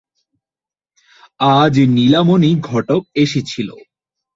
আজ নীলমণি ঘটক এসেছিল।